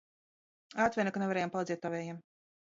Atvaino, ka nevarējām palīdzēt tavējiem.